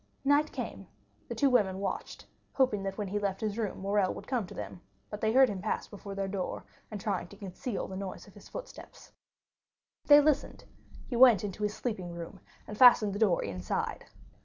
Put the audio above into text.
Night came, the two women had watched, hoping that when he left his room Morrel would come to them, but they heard him pass before their door, and trying to conceal the noise of his footsteps. They listened; he went into his sleeping room, and fastened the door inside.